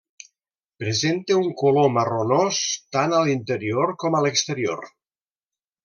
Presenta un color marronós tant a l’interior com a l’exterior.